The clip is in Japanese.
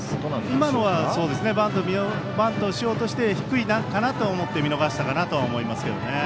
今のは、そうですねバントしようとして低いかなと思って見逃したかなと思います。